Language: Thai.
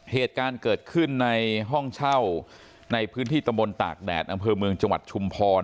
เหตุการณ์เกิดขึ้นในห้องเช่าในพื้นที่ตำบลตากแดดอำเภอเมืองจังหวัดชุมพร